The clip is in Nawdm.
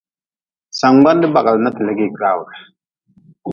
Sangbande bagli na ti legi neerm.